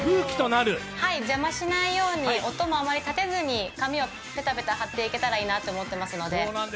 邪魔しないように、音もあまり立てずに紙をペタペタ貼っていけたらいいなと思ってますので。